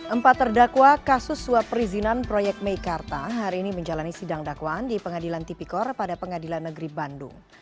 empat terdakwa kasus suap perizinan proyek meikarta hari ini menjalani sidang dakwaan di pengadilan tipikor pada pengadilan negeri bandung